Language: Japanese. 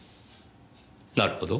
なるほど。